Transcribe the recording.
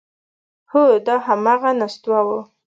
هو، دا همغه نستوه و…